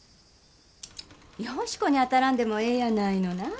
好子に当たらんでもええやないのなぁ。